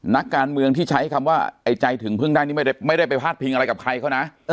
นักการเมืองที่ใช้คำว่าไอ้ใจถึงพึ่งได้นี่ไม่ได้ไปพาดพิงอะไรกับใครเขานะ